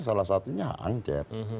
salah satunya hak angket